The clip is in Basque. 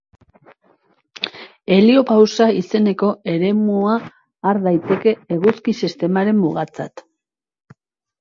Heliopausa izeneko eremua har daiteke eguzki-sistemaren mugatzat.